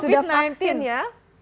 sudah vaksin ya